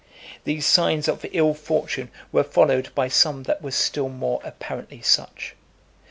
These signs of ill fortune were followed by some that were still more apparently such.